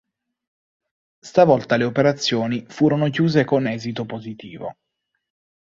Stavolta le operazioni furono chiuse con esito positivo.